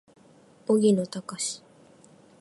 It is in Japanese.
荻野貴司